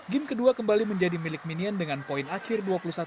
game kedua kembali menjadi milik minion dengan poin akhir dua puluh satu tujuh belas